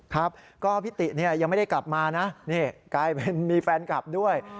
ครับก็พี่ติยังไม่ได้กลับมานะนี่กลายเป็นมีแฟนคลับด้วย